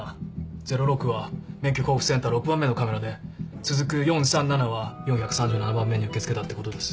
０６は免許交付センター６番目のカメラで続く４３７は４３７番目に受け付けたってことです。